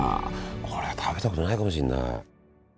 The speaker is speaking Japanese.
これは食べたことないかもしんない。